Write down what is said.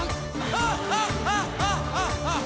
ハッハッハッハッハッハッ！